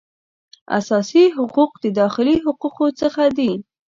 اساسي حقوق د داخلي حقوقو څخه دي